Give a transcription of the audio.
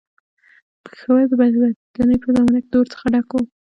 پېښور د بې وطنۍ په زمانه کې د اور څخه ډک وو.